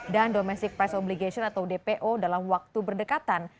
dan domestic price obligation atau dpo dalam waktu berdekatan